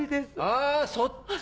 あそっち？